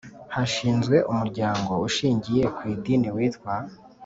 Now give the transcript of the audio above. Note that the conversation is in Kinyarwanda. Hashinzwe Umuryango ushingiye ku idini witwa